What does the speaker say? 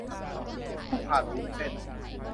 คู่พานวุ้นเส้น